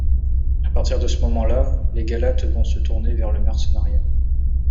A partir de ce moment là, les Galates vont se tourner vers le merceneriat.